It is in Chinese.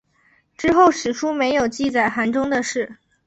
之后史书没有记载韩忠的事。